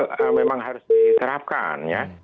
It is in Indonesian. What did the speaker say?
itu memang harus diserapkan